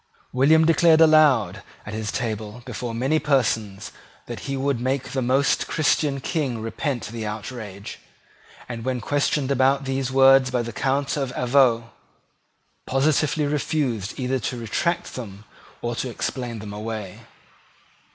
William declared aloud at his table before many persons that he would make the most Christian King repent the outrage, and, when questioned about these words by the Count of Avaux, positively refused either to retract them or to explain them away.